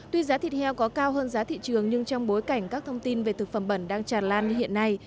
tuy giá thịt heo có cao hơn giá thị trường nhưng trong bối cảnh các thông tin về thực phẩm bẩn đang tràn lan như hiện nay